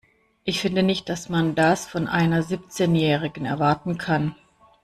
Ich finde nicht, dass man das von einer Siebzehnjährigen erwarten kann.